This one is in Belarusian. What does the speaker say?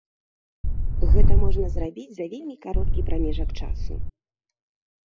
Гэта можна зрабіць за вельмі кароткі прамежак часу.